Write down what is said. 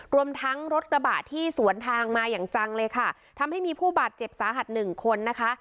รวมทั้งรถกระบะที่สวนทางมาอย่างจังเลยค่ะทำให้มีผู้บาดเจ็บสาหัสหนึ่งคนนะคะ